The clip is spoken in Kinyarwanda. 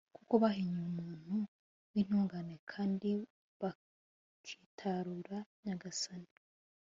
kuko bahinyuye umuntu w'intungane kandi bakitarura nyagasani